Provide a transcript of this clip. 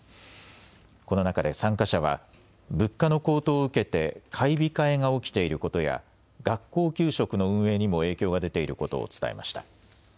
この中で参加者は物価の高騰を受けて買い控えが起きていることや学校給食の運営にも影響が出ていることを伝えました。